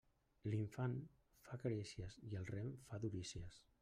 L'infant fa carícies i el rem fa durícies.